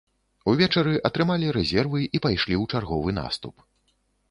Увечары атрымалі рэзервы і пайшлі ў чарговы наступ.